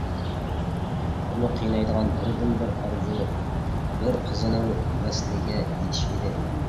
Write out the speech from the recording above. ئۇنى قىينايدىغان بىردىنبىر ئارزۇ بىر قىزنىڭ ۋەسلىگە يېتىش ئىدى.